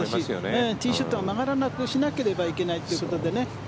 ティーショットが曲がらなくしなければいけないということでね。